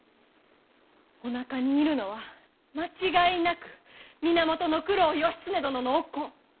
おなかにいるのは間違いなく源九郎義経殿のお子。